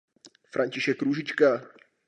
František Růžička.